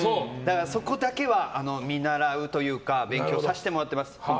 そこだけは見習うというか勉強させてもらってます。